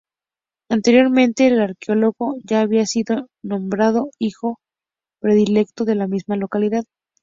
Anteriormente, el arqueólogo ya había sido nombrado hijo predilecto de la misma localidad.